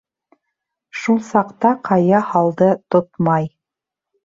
Шул саҡта ҡая һалды «тотмай».